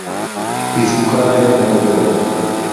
היא זקוקה להם מאוד מאוד.